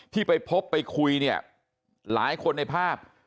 ที่ไปพบไปคุยเนี่ยหลายคนในภาพ